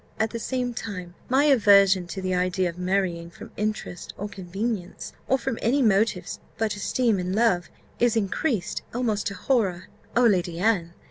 At the same time, my aversion to the idea of marrying from interest, or convenience, or from any motives but esteem and love, is increased almost to horror. O Lady Anne!